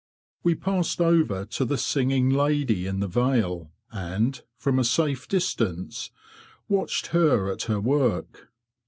We passed over to the singing lady in the veil, and—from a safe distance—watched her at her work.